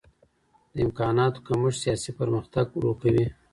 د امکاناتو کمښت سياسي پرمختګ ورو کوي.